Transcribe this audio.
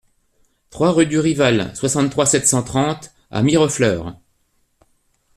trois rue du Rivial, soixante-trois, sept cent trente à Mirefleurs